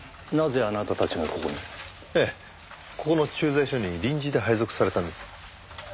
なぜあなたたちがここに？ええここの駐在所に臨時で配属されたんです。